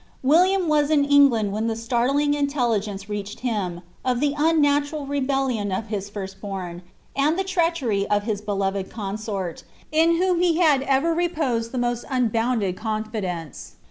WiUiun WB» in England when the startling intelligence reached hinii I of the unnatural rebelliou of his first born, and the ireat^hery of his be lonred consort, in whom he Imd ever reposed ihe moat nnbounde<l confi dence.